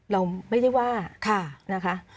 เราไม่ได้ว่านะคะ